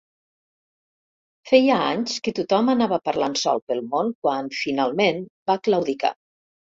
Feia anys que tothom anava parlant sol pel món quan, finalment, va claudicar.